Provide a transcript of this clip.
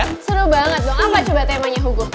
seru banget dong apa coba temanya hugu